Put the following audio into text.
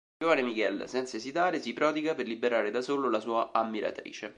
Il giovane Miguel, senza esitare, si prodiga per liberare da solo la sua ammiratrice.